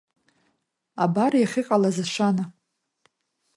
Абар иахьыҟалаз ашана!